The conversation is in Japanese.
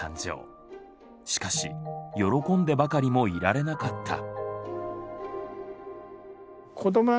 しかし喜んでばかりもいられなかった。